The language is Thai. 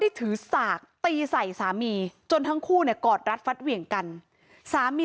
ถือสากตีใส่สามีจนทั้งคู่เนี่ยกอดรัดฟัดเหวี่ยงกันสามี